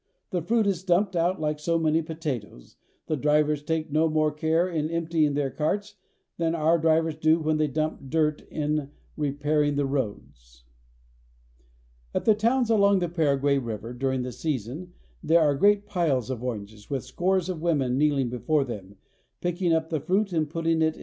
The fruit is dumped out hke so many potatoes, the drivers taking no more care in emptying their carts than our drivers do when they dump dirt in repairing the roads. Loading a Steamer. At the towns along the Paraguay river during the season there are great piles of oranges, with scores of women kneeling before them, picking up the fruit and putting it THE CHACO.